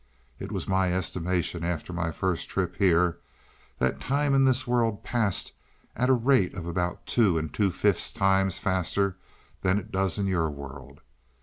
It was my estimation after my first trip here that time in this world passed at a rate about two and two fifth times faster than it does in your world.